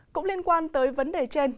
cũng liên quan tới vấn đề trên